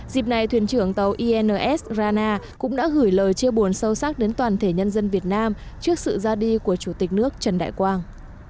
dịp này thuyền trưởng tàu ins rana cũng đã gửi lời chia buồn sâu sắc đến toàn thể nhân dân việt nam trước sự ra đi của chủ tịch nước trần đại quang